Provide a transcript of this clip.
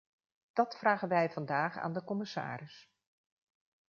Dat vragen wij vandaag aan de commissaris.